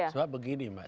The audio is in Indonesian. soalnya begini mbak